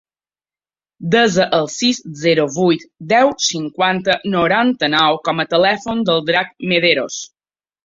Desa el sis, zero, vuit, deu, cinquanta, noranta-nou com a telèfon del Drac Mederos.